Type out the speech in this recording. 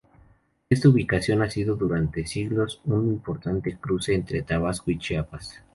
Esta ubicación ha sido durante siglos un importante cruce entre Tabasco y Chiapas.